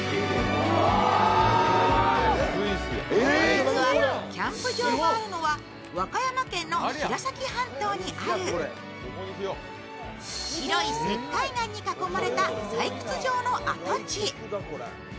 実は、キャンプ場があるのは和歌山県の白崎半島にある白い石灰岩に囲まれた採掘場の跡地。